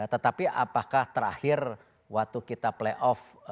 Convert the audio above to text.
tetapi apakah terakhir waktu kita play off